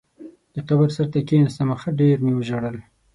د قبر سر ته یې کېناستم، ښه ډېر مې وژړل.